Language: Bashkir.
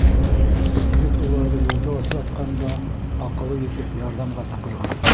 Егет уларҙы юлда осратҡан да, аҡылы етеп, ярҙамға саҡырған.